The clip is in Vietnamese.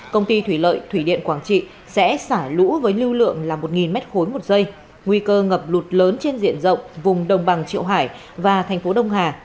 công ty thủy lợi thủy điện quảng trị sẽ xả lũ với lưu lượng là một m ba một giây nguy cơ ngập lụt lớn trên diện rộng vùng đồng bằng triệu hải và thành phố đông hà